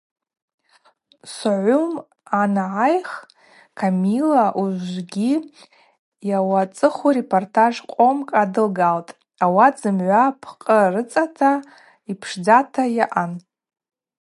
Согъвым хӏангӏайх Камилла ужвыгьи йауацӏыху репортаж къомкӏ адылгалхтӏ, ауат зымгӏва пкъы рыцӏата, йпшдзата йаъан.